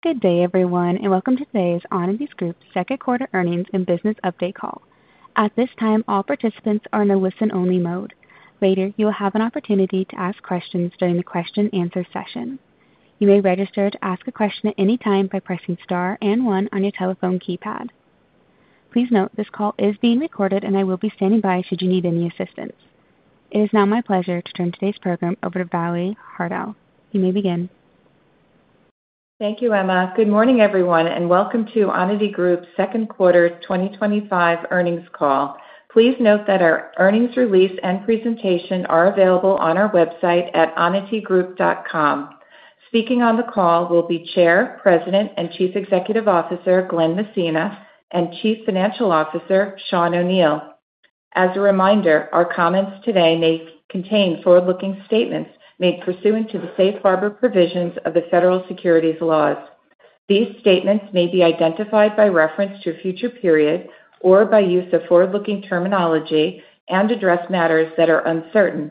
Good day, everyone, and welcome to today's Onity Group Second Quarter Earnings and Business Update Call. At this time, all participants are in a listen-only mode. Later, you will have an opportunity to ask questions during the question-and-answer session. You may register to ask a question at any time by pressing star and one on your telephone keypad. Please note this call is being recorded, and I will be standing by should you need any assistance. It is now my pleasure to turn today's program over to Valerie Haertel. You may begin. Thank you, Emma. Good morning, everyone, and welcome to Onity Group second quarter 2025 earnings call. Please note that our earnings release and presentation are available on our website at onitygroup.com. Speaking on the call will be Chair, President and Chief Executive Officer, Glen Messina, and Chief Financial Officer, Sean O'Neil. As a reminder, our comments today may contain forward-looking statements made pursuant to the Safe Harbor provisions of the Federal Securities Laws. These statements may be identified by reference to a future period or by use of forward-looking terminology and address matters that are uncertain.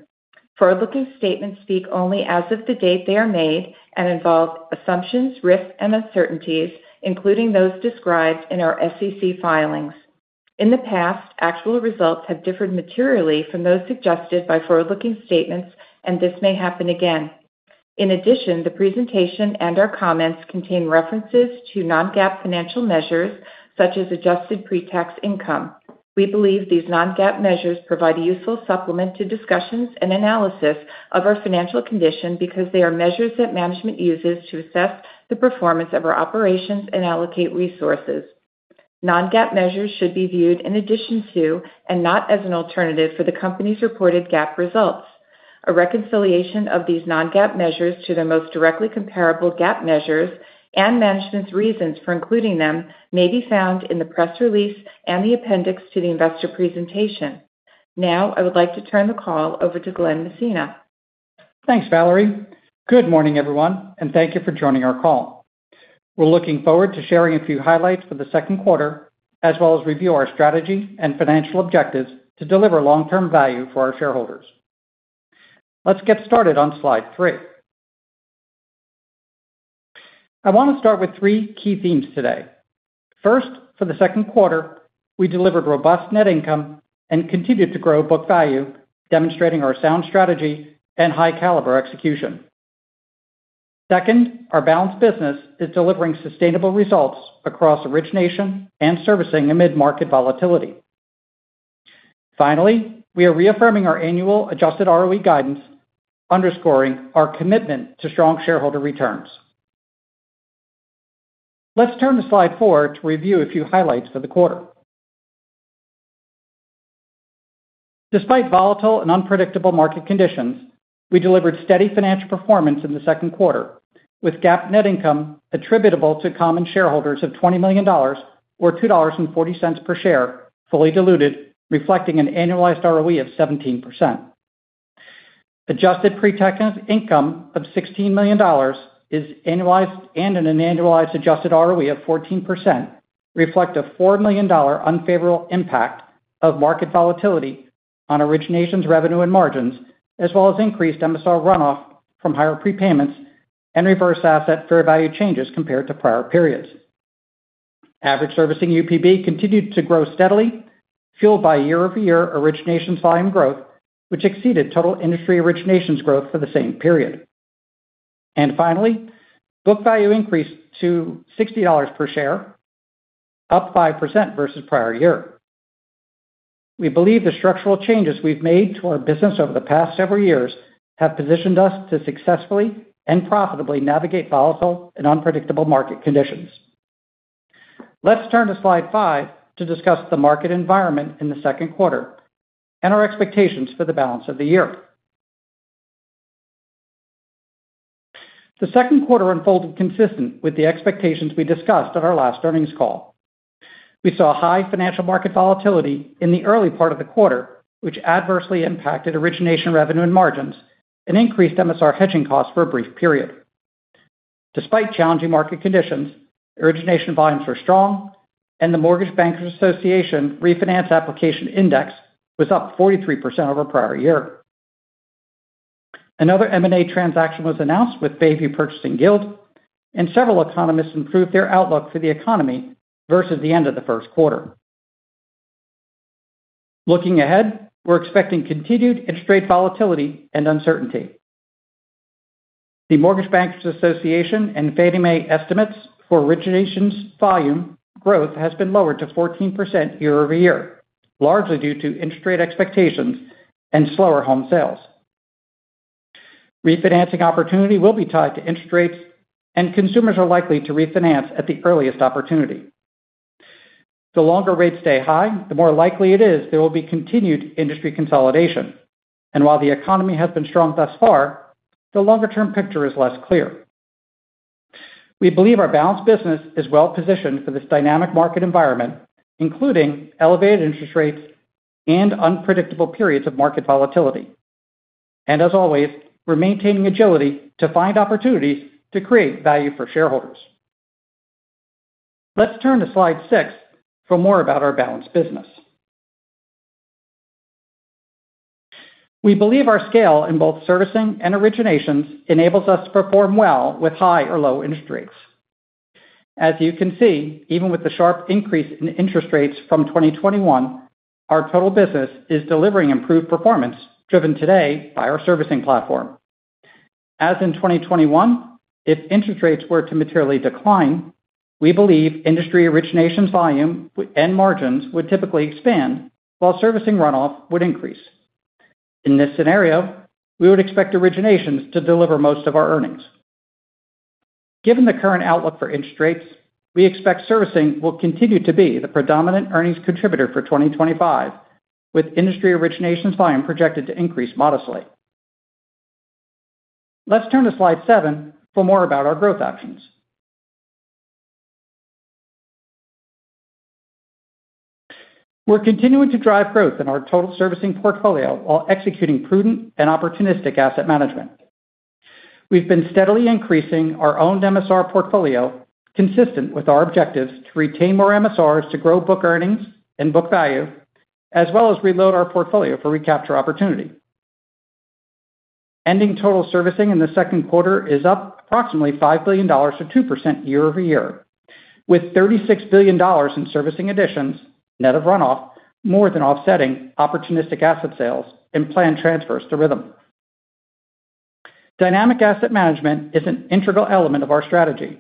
Forward-looking statements speak only as of the date they are made and involve assumptions, risks, and uncertainties, including those described in our SEC filings. In the past, actual results have differed materially from those suggested by forward-looking statements, and this may happen again. In addition, the presentation and our comments contain references to non-GAAP financial measures, such as adjusted pre-tax income. We believe these non-GAAP measures provide a useful supplement to discussions and analysis of our financial condition because they are measures that management uses to assess the performance of our operations and allocate resources. Non-GAAP measures should be viewed in addition to and not as an alternative for the company's reported GAAP results. A reconciliation of these non-GAAP measures to the most directly comparable GAAP measures and management's reasons for including them may be found in the press release and the appendix to the investor presentation. Now, I would like to turn the call over to Glen Messina. Thanks, Valerie. Good morning, everyone, and thank you for joining our call. We're looking forward to sharing a few highlights for the second quarter, as well as review our strategy and financial objectives to deliver long-term value for our shareholders. Let's get started on slide three. I want to start with three key themes today. First, for the second quarter, we delivered robust net income and continued to grow book value, demonstrating our sound strategy and high-caliber execution. Second, our balanced business is delivering sustainable results across origination and servicing amid market volatility. Finally, we are reaffirming our annual adjusted ROE guidance, underscoring our commitment to strong shareholder returns. Let's turn to slide four to review a few highlights for the quarter. Despite volatile and unpredictable market conditions, we delivered steady financial performance in the second quarter, with GAAP net income attributable to common shareholders of $20 million or $2.40 per share, fully diluted, reflecting an annualized ROE of 17%. Adjusted pre-tax income of $16 million is annualized and an annualized adjusted ROE of 14%, reflecting a $4 million unfavorable impact of market volatility on origination revenue and margins, as well as increased MSR runoff from higher prepayments and reverse asset fair value changes compared to prior periods. Average servicing UPB continued to grow steadily, fueled by year-over-year origination volume growth, which exceeded total industry origination growth for the same period. Finally, book value increased to $60 per share, up 5% versus prior year. We believe the structural changes we've made to our business over the past several years have positioned us to successfully and profitably navigate volatile and unpredictable market conditions. Let's turn to slide five to discuss the market environment in the second quarter and our expectations for the balance of the year. The second quarter unfolded consistent with the expectations we discussed at our last earnings call. We saw high financial market volatility in the early part of the quarter, which adversely impacted origination revenue and margins and increased MSR hedging costs for a brief period. Despite challenging market conditions, origination volumes were strong, and the Mortgage Bankers Association Refinance Application Index was up 43% over prior year. Another M&A transaction was announced with Bayview Purchasing Guild, and several economists improved their outlook for the economy versus the end of the first quarter. Looking ahead, we're expecting continued interest rate volatility and uncertainty. The Mortgage Bankers Association and Fannie Mae estimates for origination's volume growth has been lowered to 14% year-over-year, largely due to interest rate expectations and slower home sales. Refinancing opportunity will be tied to interest rates, and consumers are likely to refinance at the earliest opportunity. The longer rates stay high, the more likely it is there will be continued industry consolidation. While the economy has been strong thus far, the longer-term picture is less clear. We believe our balanced business is well positioned for this dynamic market environment, including elevated interest rates and unpredictable periods of market volatility. As always, we're maintaining agility to find opportunities to create value for shareholders. Let's turn to slide six for more about our balanced business. We believe our scale in both servicing and originations enables us to perform well with high or low interest rates. As you can see, even with the sharp increase in interest rates from 2021, our total business is delivering improved performance driven today by our servicing platform. As in 2021, if interest rates were to materially decline, we believe industry origination's volume and margins would typically expand, while servicing runoff would increase. In this scenario, we would expect originations to deliver most of our earnings. Given the current outlook for interest rates, we expect servicing will continue to be the predominant earnings contributor for 2025, with industry origination's volume projected to increase modestly. Let's turn to slide seven for more about our growth actions. We're continuing to drive growth in our total servicing portfolio while executing prudent and opportunistic asset management. We've been steadily increasing our owned MSR portfolio, consistent with our objectives to retain more MSRs to grow book earnings and book value, as well as reload our portfolio for recapture opportunity. Ending total servicing in the second quarter is up approximately $5 billion or 2% year-over-year, with $36 billion in servicing additions, net of runoff, more than offsetting opportunistic asset sales and planned transfers to Rhythm. Dynamic asset management is an integral element of our strategy,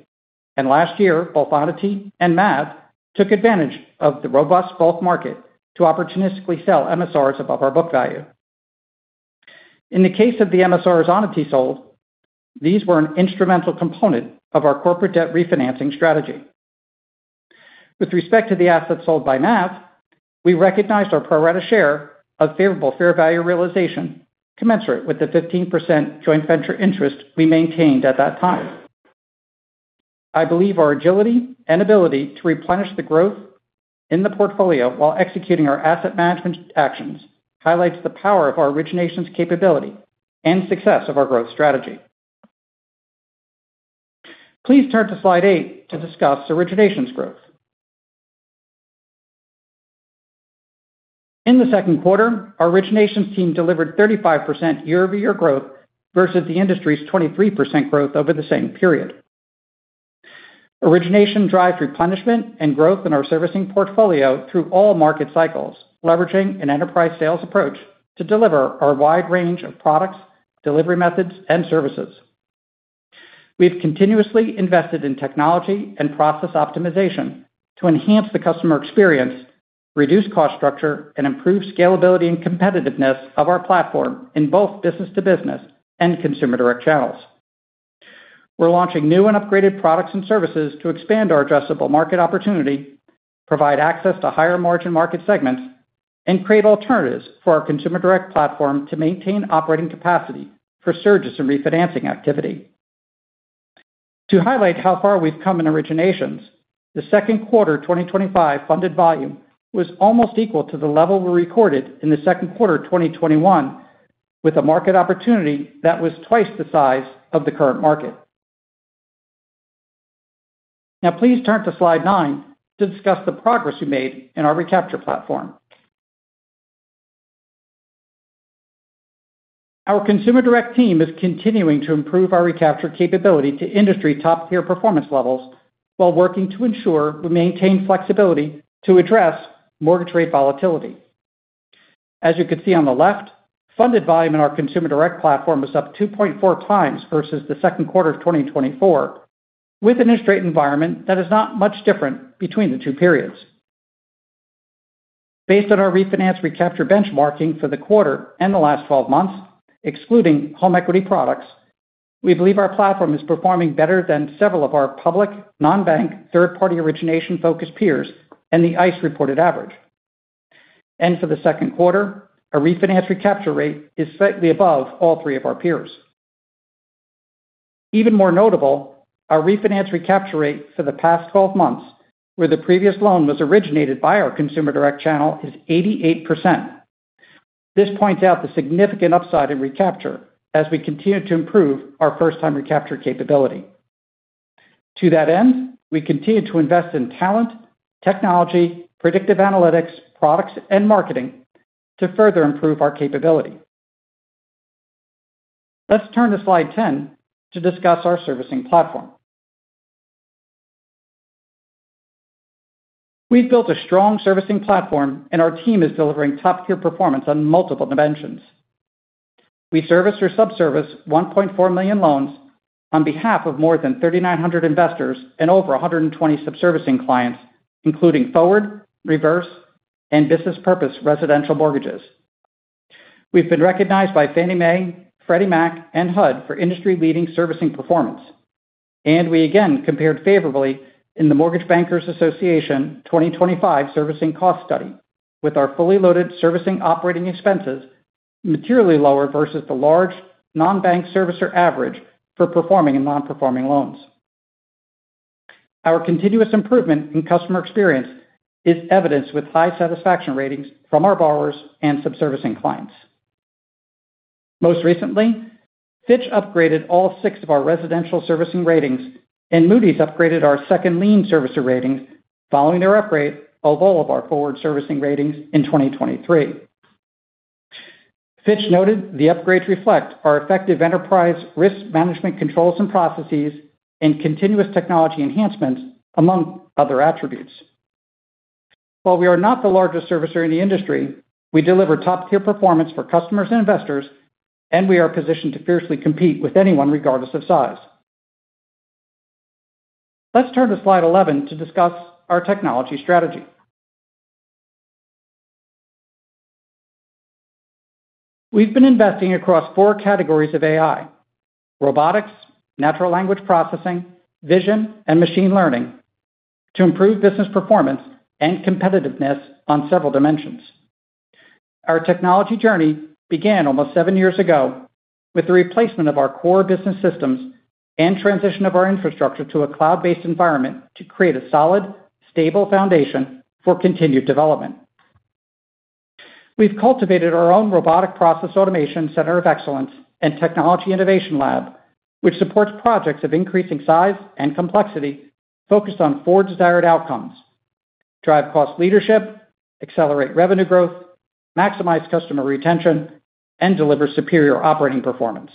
and last year, both Onity and MAV took advantage of the robust bulk market to opportunistically sell MSRs above our book value. In the case of the MSRs Onity sold, these were an instrumental component of our corporate debt refinancing strategy. With respect to the assets sold by MAV, we recognized our pro-rata share of favorable fair value realization, commensurate with the 15% joint venture interest we maintained at that time. I believe our agility and ability to replenish the growth in the portfolio while executing our asset management actions highlight the power of our originations capability and success of our growth strategy. Please turn to slide eight to discuss originations growth. In the second quarter, our originations team delivered 35% year-over-year growth versus the industry's 23% growth over the same period. Origination drives replenishment and growth in our servicing portfolio through all market cycles, leveraging an enterprise sales approach to deliver our wide range of products, delivery methods, and services. We've continuously invested in technology and process optimization to enhance the customer experience, reduce cost structure, and improve scalability and competitiveness of our platform in both business-to-business and consumer-direct channels. We're launching new and upgraded products and services to expand our addressable market opportunity, provide access to higher margin market segments, and create alternatives for our consumer-direct platform to maintain operating capacity for surges in refinancing activity. To highlight how far we've come in originations, the second quarter 2025 funded volume was almost equal to the level we recorded in the second quarter 2021, with a market opportunity that was twice the size of the current market. Now, please turn to slide nine to discuss the progress we made in our recapture platform. Our consumer-direct team is continuing to improve our recapture capability to industry top-tier performance levels while working to ensure we maintain flexibility to address mortgage rate volatility. As you can see on the left, funded volume in our consumer-direct platform is up 2.4x versus the second quarter of 2024, with an interest rate environment that is not much different between the two periods. Based on our refinance recapture benchmarking for the quarter and the last 12 months, excluding home equity products, we believe our platform is performing better than several of our public non-bank third-party origination-focused peers and the ICE-reported average. For the second quarter, our refinance recapture rate is slightly above all three of our peers. Even more notable, our refinance recapture rate for the past 12 months, where the previous loan was originated by our consumer-direct origination channel, is 88%. This points out the significant upside in recapture as we continue to improve our first-time recapture capability. To that end, we continue to invest in talent, technology, predictive analytics, products, and marketing to further improve our capability. Let's turn to slide 10 to discuss our servicing platform. We've built a strong servicing platform, and our team is delivering top-tier performance on multiple dimensions. We service or subservice 1.4 million loans on behalf of more than 3,900 investors and over 120 subservicing clients, including forward, reverse, and business-purpose residential mortgages. We have been recognized by Fannie Mae, Freddie Mac, and HUD for industry-leading servicing performance. We again compared favorably in the Mortgage Bankers Association 2025 Servicing Cost Study, with our fully loaded servicing operating expenses materially lower versus the large non-bank servicer average for performing and non-performing loans. Our continuous improvement in customer experience is evidenced with high satisfaction ratings from our borrowers and subservicing clients. Most recently, Fitch upgraded all six of our residential servicing ratings, and Moody’s upgraded our second lien servicer rating following their upgrade of all of our forward servicing ratings in 2023. Fitch noted the upgrades reflect our effective enterprise risk management controls and processes and continuous technology enhancements, among other attributes. While we are not the largest servicer in the industry, we deliver top-tier performance for customers and investors, and we are positioned to fiercely compete with anyone regardless of size. Let's turn to slide 11 to discuss our technology strategy. We have been investing across four categories of AI: robotics, natural language processing, vision, and machine learning to improve business performance and competitiveness on several dimensions. Our technology journey began almost seven years ago with the replacement of our core business systems and transition of our infrastructure to a cloud-based environment to create a solid, stable foundation for continued development. We've cultivated our own robotic process automation center of excellence and Technology Innovation Lab, which supports projects of increasing size and complexity focused on four desired outcomes: drive cost leadership, accelerate revenue growth, maximize customer retention, and deliver superior operating performance.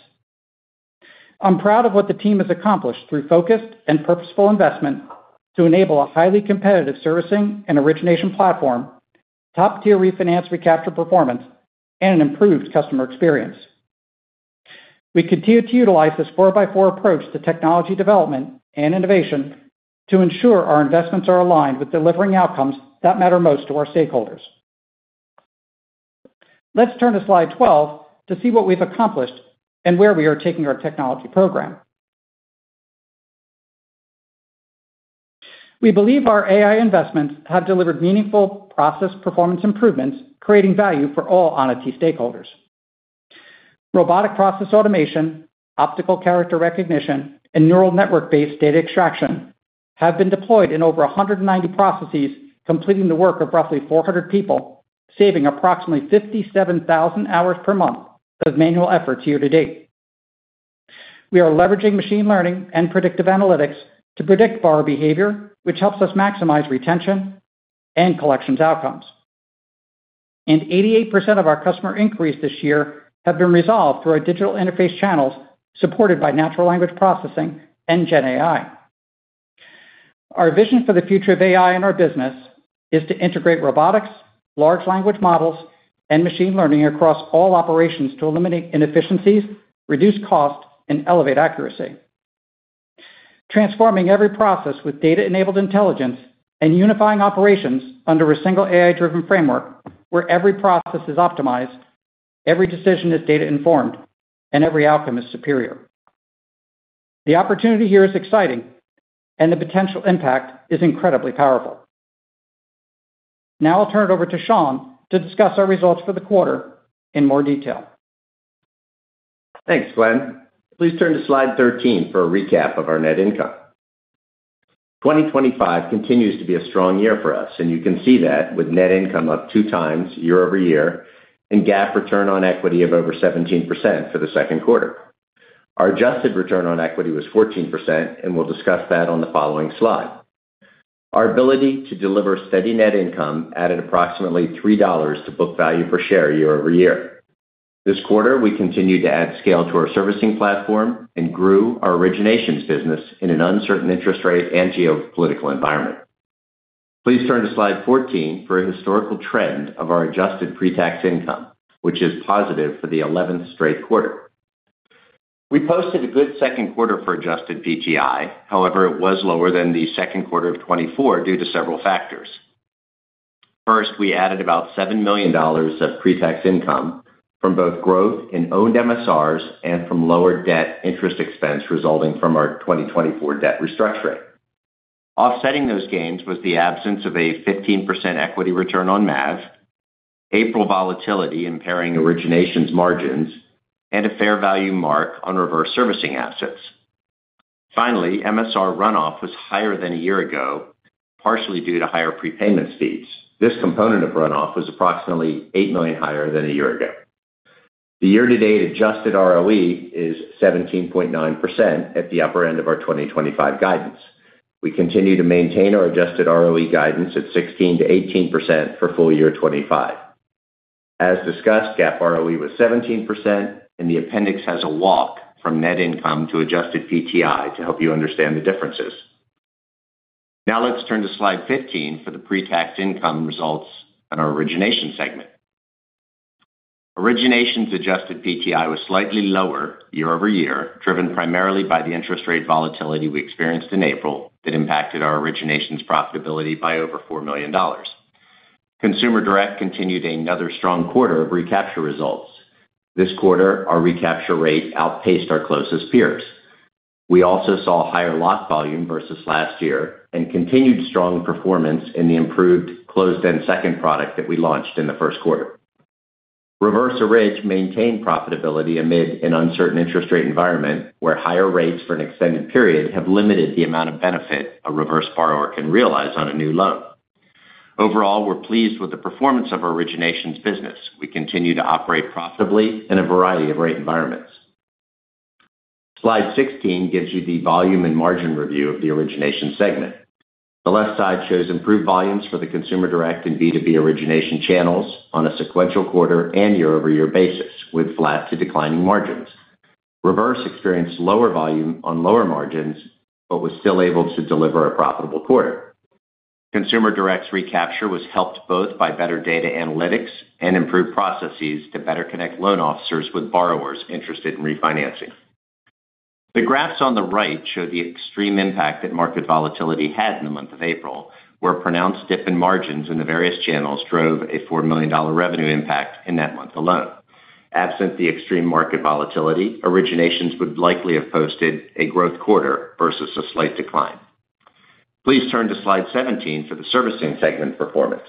I'm proud of what the team has accomplished through focused and purposeful investment to enable a highly competitive servicing and origination platform, top-tier refinance recapture performance, and an improved customer experience. We continue to utilize this four-by-four approach to technology development and innovation to ensure our investments are aligned with delivering outcomes that matter most to our stakeholders. Let's turn to slide 12 to see what we've accomplished and where we are taking our technology program. We believe our AI investments have delivered meaningful process performance improvements, creating value for all Onity stakeholders. Robotic process automation, optical character recognition, and neural network-based data extraction have been deployed in over 190 processes, completing the work of roughly 400 people, saving approximately 57,000 hours per month of manual efforts year to date. We are leveraging machine learning and predictive analytics to predict borrower behavior, which helps us maximize retention and collections outcomes. 88% of our customer increase this year has been resolved through our digital interface channels supported by natural language processing and GenAI. Our vision for the future of AI in our business is to integrate robotics, large language models, and machine learning across all operations to eliminate inefficiencies, reduce cost, and elevate accuracy. Transforming every process with data-enabled intelligence and unifying operations under a single AI-driven framework where every process is optimized, every decision is data-informed, and every outcome is superior. The opportunity here is exciting, and the potential impact is incredibly powerful. Now I'll turn it over to Sean to discuss our results for the quarter in more detail. Thanks, Glen. Please turn to slide 13 for a recap of our net income. 2025 continues to be a strong year for us, and you can see that with net income up two times year-over-year and GAAP return on equity of over 17% for the second quarter. Our adjusted return on equity was 14%, and we'll discuss that on the following slide. Our ability to deliver steady net income added approximately $3 to book value per share year-over-year. This quarter, we continued to add scale to our servicing platform and grew our originations business in an uncertain interest rate and geopolitical environment. Please turn to slide 14 for a historical trend of our adjusted pre-tax income, which is positive for the 11th straight quarter. We posted a good second quarter for adjusted PTI, however, it was lower than the second quarter of 2024 due to several factors. First, we added about $7 million of pre-tax income from both growth in owned MSRs and from lower debt interest expense resulting from our 2024 debt restructuring. Offsetting those gains was the absence of a 15% equity return on MAV, April volatility impairing originations margins, and a fair value mark on reverse servicing assets. Finally, MSR runoff was higher than a year ago, partially due to higher prepayment speeds. This component of runoff was approximately $8 million higher than a year ago. The year-to-date adjusted ROE is 17.9% at the upper end of our 2025 guidance. We continue to maintain our adjusted ROE guidance at 16%-18% for full year 2025. As discussed, GAAP ROE was 17%, and the appendix has a walk from net income to adjusted PTI to help you understand the differences. Now let's turn to slide 15 for the pre-tax income results on our origination segment. Originations adjusted PTI was slightly lower year-over-year, driven primarily by the interest rate volatility we experienced in April that impacted our originations profitability by over $4 million. Consumer Direct continued another strong quarter of recapture results. This quarter, our recapture rate outpaced our closest peers. We also saw higher lot volume versus last year and continued strong performance in the improved closed-end second product that we launched in the first quarter. Reverse origination maintained profitability amid an uncertain interest rate environment where higher rates for an extended period have limited the amount of benefit a reverse borrower can realize on a new loan. Overall, we're pleased with the performance of originations business. We continue to operate profitably in a variety of rate environments. Slide 16 gives you the volume and margin review of the origination segment. The left side shows improved volumes for the consumer-direct and B2B origination channels on a sequential quarter and year-over-year basis, with flat to declining margins. Reverse origination experienced lower volume on lower margins but was still able to deliver a profitable quarter. Consumer-direct's recapture was helped both by better data analytics and improved processes to better connect loan officers with borrowers interested in refinancing. The graphs on the right show the extreme impact that market volatility had in the month of April, where a pronounced dip in margins in the various channels drove a $4 million revenue impact in that month alone. Absent the extreme market volatility, originations would likely have posted a growth quarter versus a slight decline. Please turn to slide 17 for the servicing segment performance.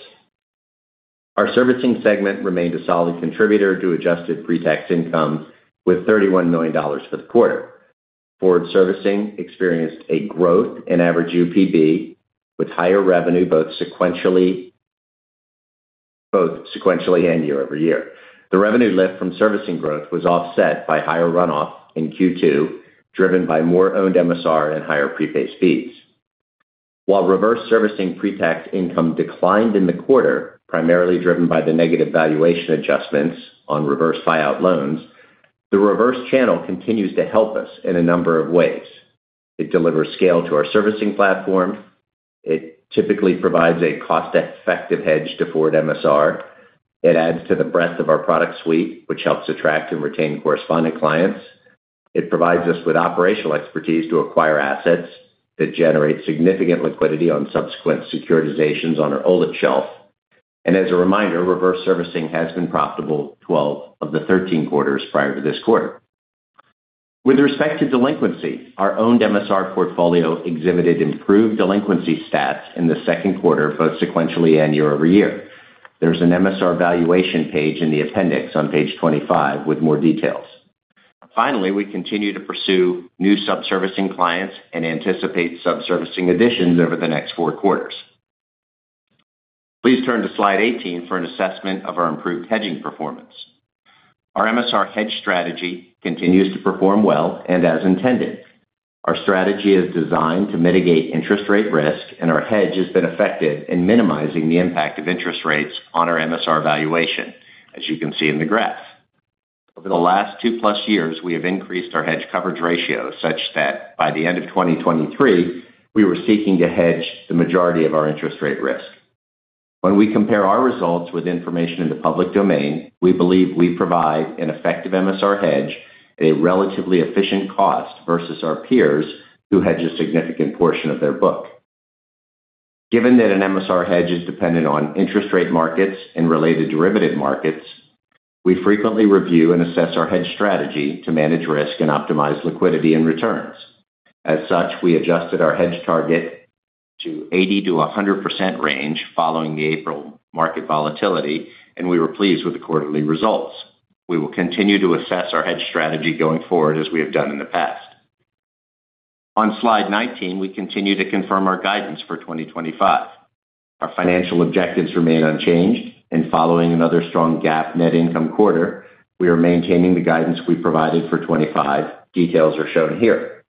Our servicing segment remained a solid contributor to adjusted pre-tax income with $31 million for the quarter. Forward servicing experienced a growth in average UPB with higher revenue both sequentially and year-over-year. The revenue lift from servicing growth was offset by higher runoff in Q2, driven by more owned MSR and higher prepaid speeds. While reverse servicing pre-tax income declined in the quarter, primarily driven by the negative valuation adjustments on reverse buyout loans, the reverse channel continues to help us in a number of ways. It delivers scale to our servicing platform. It typically provides a cost-effective hedge to forward MSR. It adds to the breadth of our product suite, which helps attract and retain correspondent clients. It provides us with operational expertise to acquire assets that generate significant liquidity on subsequent securitizations on our old shelf. As a reminder, reverse servicing has been profitable 12 of the 13 quarters prior to this quarter. With respect to delinquency, our owned MSR portfolio exhibited improved delinquency stats in the second quarter, both sequentially and year-over-year. There's an MSR valuation page in the appendix on page 25 with more details. Finally, we continue to pursue new subservicing clients and anticipate subservicing additions over the next four quarters. Please turn to slide 18 for an assessment of our improved hedging performance. Our MSR hedging strategy continues to perform well and as intended. Our strategy is designed to mitigate interest rate risk, and our hedge has been effective in minimizing the impact of interest rates on our MSR valuation, as you can see in the graph. Over the last two-plus years, we have increased our hedge coverage ratio such that by the end of 2023, we were seeking to hedge the majority of our interest rate risk. When we compare our results with information in the public domain, we believe we provide an effective MSR hedge at a relatively efficient cost versus our peers who hedge a significant portion of their book. Given that an MSR hedge is dependent on interest rate markets and related derivative markets, we frequently review and assess our hedge strategy to manage risk and optimize liquidity and returns. As such, we adjusted our hedge target to 80%-100% range following the April market volatility, and we were pleased with the quarterly results. We will continue to assess our hedge strategy going forward as we have done in the past. On slide 19, we continue to confirm our guidance for 2025. Our financial objectives remain unchanged, and following another strong GAAP net income quarter, we are maintaining the guidance we provided for 2025. Details are shown here.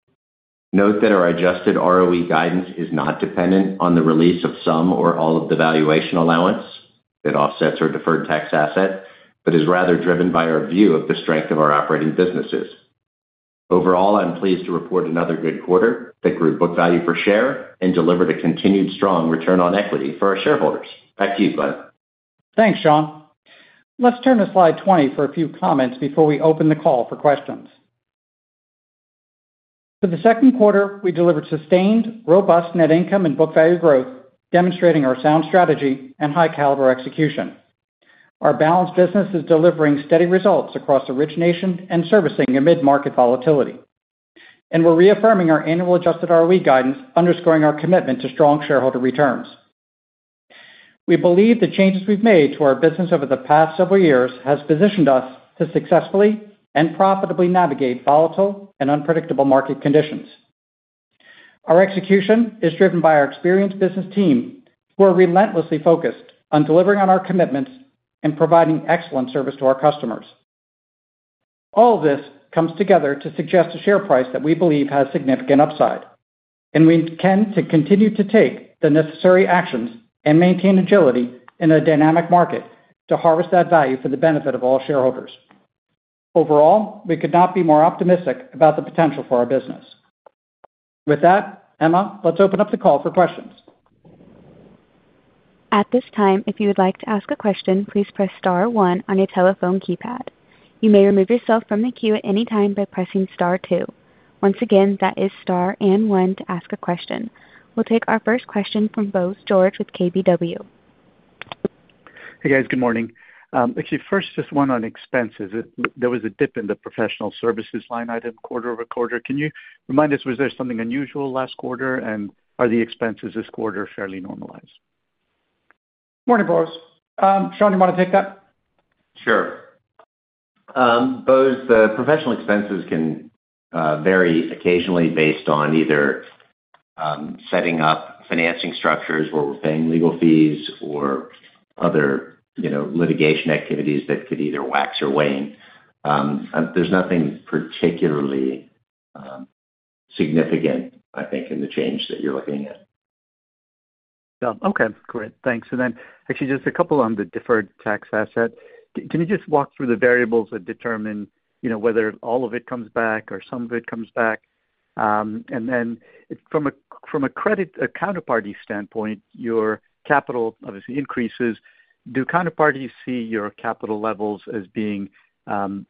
Note that our adjusted ROE guidance is not dependent on the release of some or all of the valuation allowance that offsets our deferred tax asset, but is rather driven by our view of the strength of our operating businesses. Overall, I'm pleased to report another good quarter that grew book value per share and delivered a continued strong return on equity for our shareholders. Back to you, Glen. Thanks, Sean. Let's turn to slide 20 for a few comments before we open the call for questions. For the second quarter, we delivered sustained, robust net income and book value growth, demonstrating our sound strategy and high-caliber execution. Our balanced business is delivering steady results across origination and servicing amid market volatility, and we're reaffirming our annual adjusted ROE guidance, underscoring our commitment to strong shareholder returns. We believe the changes we've made to our business over the past several years have positioned us to successfully and profitably navigate volatile and unpredictable market conditions. Our execution is driven by our experienced business team who are relentlessly focused on delivering on our commitments and providing excellent service to our customers. All of this comes together to suggest a share price that we believe has significant upside, and we intend to continue to take the necessary actions and maintain agility in a dynamic market to harvest that value for the benefit of all shareholders. Overall, we could not be more optimistic about the potential for our business. With that, Emma, let's open up the call for questions. At this time, if you would like to ask a question, please press star one on your telephone keypad. You may remove yourself from the queue at any time by pressing star two. Once again, that is star and one to ask a question. We'll take our first question from Bose George with KBW. Good morning. First, just one on expenses. There was a dip in the professional services line item quarter-over-quarter. Can you remind us, was there something unusual last quarter, and are the expenses this quarter fairly normalized? Morning, Bose. Sean, you want to take that? Sure. Bose, the professional expenses can vary occasionally based on either setting up financing structures where we're paying legal fees or other litigation activities that could either wax or wane. There's nothing particularly significant, I think, in the change that you're looking at. Okay, great, thanks. Just a couple on the deferred tax asset. Can you walk through the variables that determine whether all of it comes back or some of it comes back? From a credit counterparty standpoint, your capital obviously increases. Do counterparties see your capital levels as being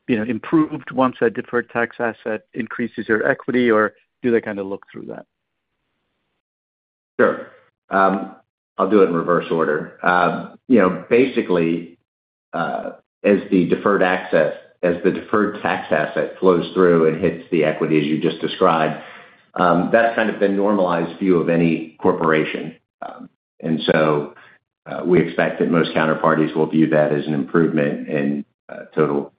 improved once that deferred tax asset increases your equity, or do they kind of look through that? Sure. I'll do it in reverse order. Basically, as the deferred tax asset flows through and hits the equity as you just described, that's kind of been a normalized view of any corporation. We expect that most counterparties will view that as an improvement in total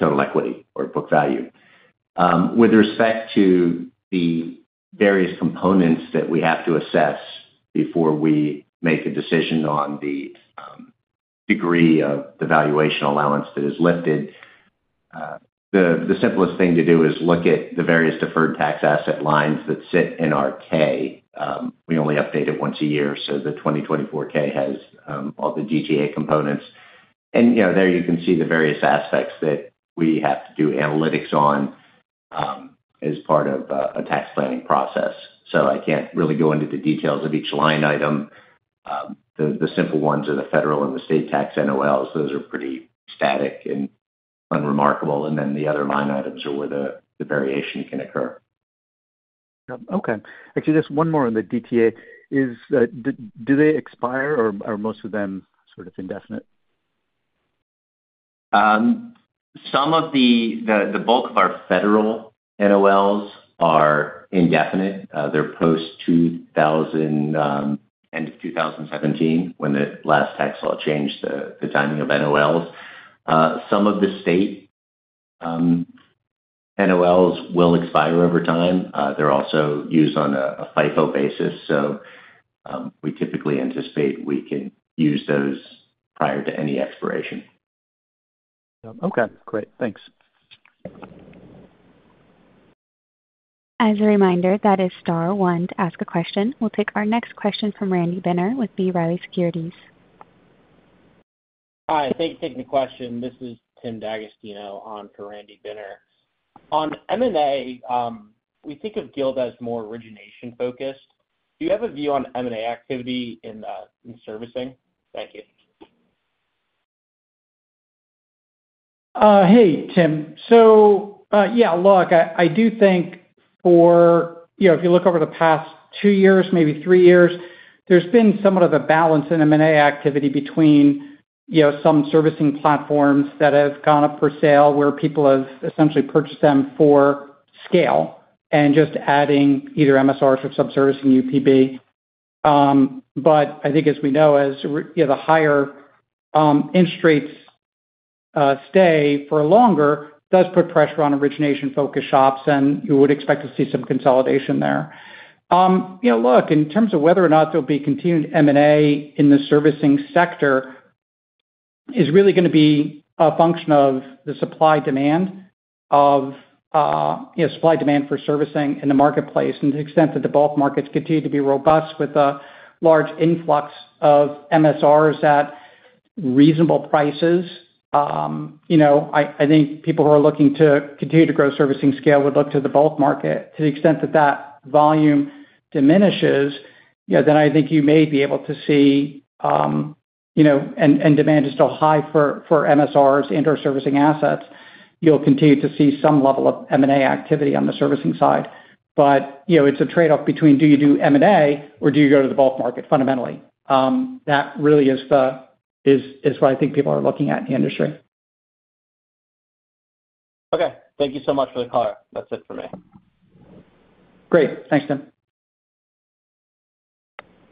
equity or book value. With respect to the various components that we have to assess before we make a decision on the degree of the valuation allowance that is lifted, the simplest thing to do is look at the various deferred tax asset lines that sit in our K. We only update it once a year, so the 2024 K has all the DTA components. There you can see the various aspects that we have to do analytics on as part of a tax planning process. I can't really go into the details of each line item. The simple ones are the federal and the state tax NOLs. Those are pretty static and unremarkable. The other line items are where the variation can occur. Okay. Actually, just one more on the DTA. Do they expire, or are most of them sort of indefinite? Some of the bulk of our federal NOLs are indefinite. They're post end of 2017, when the last tax law changed the timing of NOLs. Some of the state NOLs will expire over time. They're also used on a FIFO basis, so we typically anticipate we can use those prior to any expiration. Okay, great, thanks. As a reminder, that is star one to ask a question. We'll take our next question from Randy Binner with B. Riley Securities. Hi, thanks for taking the question. This is Tim D'Agostino on for Randy Binner. On M&A, we think of Gilda as more origination-focused. Do you have a view on M&A activity in servicing? Thank you. Hey, Tim. Yeah, look, I do think for, you know, if you look over the past two years, maybe three years, there's been somewhat of a balance in M&A activity between some servicing platforms that have gone up for sale where people have essentially purchased them for scale and just adding either MSRs or subservicing UPB. I think, as we know, as the higher interest rates stay for longer, it does put pressure on origination-focused shops, and you would expect to see some consolidation there. In terms of whether or not there'll be continued M&A in the servicing sector, it's really going to be a function of the supply-demand for servicing in the marketplace and the extent that the bulk markets continue to be robust with a large influx of MSRs at reasonable prices. I think people who are looking to continue to grow servicing scale would look to the bulk market. To the extent that that volume diminishes, then I think you may be able to see, you know, and demand is still high for MSRs and/or servicing assets, you'll continue to see some level of M&A activity on the servicing side. It's a trade-off between do you do M&A or do you go to the bulk market fundamentally. That really is what I think people are looking at in the industry. Okay, thank you so much for the call. That's it for me. Great, thanks, Tim.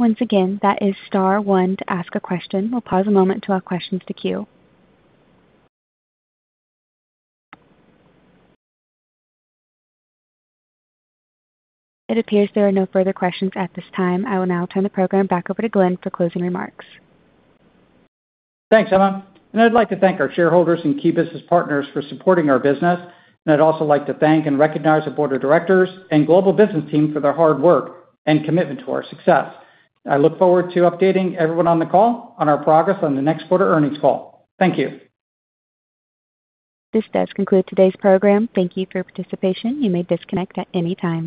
Once again, that is star one to ask a question. We'll pause a moment to allow questions to queue. It appears there are no further questions at this time. I will now turn the program back over to Glen for closing remarks. you, Emma. I would like to thank our shareholders and key business partners for supporting our business. I would also like to thank and recognize the Board of Directors and global business team for their hard work and commitment to our success. I look forward to updating everyone on the call on our progress on the next quarter earnings call. Thank you. This does conclude today's program. Thank you for your participation. You may disconnect at any time.